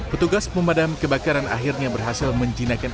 petugas pemadam kebakaran akhirnya berhasil menjinakkan